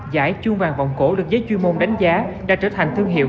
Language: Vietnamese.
giải chuông vàng vọng cổ được giới chuyên môn đánh giá đã trở thành thương hiệu